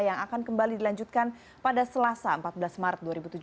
yang akan kembali dilanjutkan pada selasa empat belas maret dua ribu tujuh belas